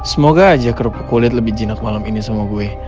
semoga aja kerupuk kulit lebih jinak malam ini sama gue